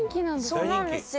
そうなんですよ。